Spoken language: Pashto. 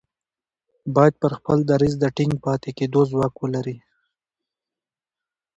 بايد پر خپل دريځ د ټينګ پاتې کېدو ځواک ولري.